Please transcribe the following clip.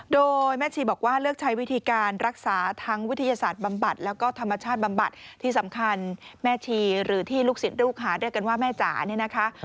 โดยแม่ชีบอกว่าเลือกใช้วิธีการรักษาทั้งวิทยาศาสตร์บำบัดแล้วก็ธรรมชาติบำบัดที่สำคัญแม่ชีหรือที่ลูกศิษย์ลูกหาเรียกกันว่าแม่จ๋าเนี่ยนะคะ